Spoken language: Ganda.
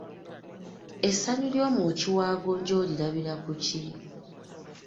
Essanyu ly’omwoki wa gonja olirabira ku ki?